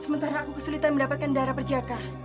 sementara aku kesulitan mendapatkan darah berjakah